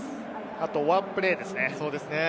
あとワンプレーですね。